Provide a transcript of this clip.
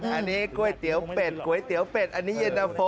อันนี้ก๋วยเตี๋ยวเป็ดอันนี้เย็นละโฟ